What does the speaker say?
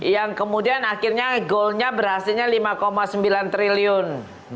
yang kemudian akhirnya goalnya berhasilnya lima sembilan triliun